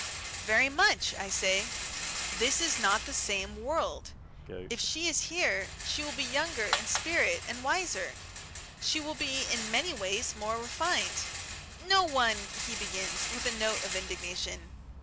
"Very much," I say. "This is not the same world. If she is here, she will be younger in spirit and wiser. She will be in many ways more refined " "No one " he begins, with a note of indignation.